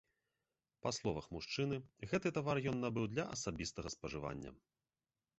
Па словах мужчыны, гэты тавар ён набыў для асабістага спажывання.